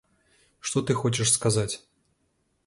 Что ты хочешь сказать?